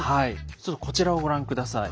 ちょっとこちらをご覧下さい。